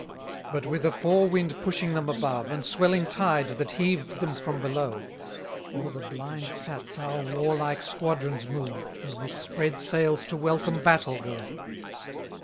183 But with a fore wind pushing them above, And swelling tide that heaved them from below, O'er the blind flats our warlike squadrons move, And with spread sails to welcome battle go.